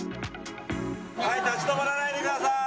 立ち止まらないでください。